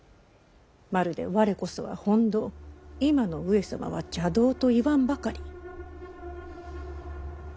まるで「われこそは本道今の上様は邪道」と言わんばかり。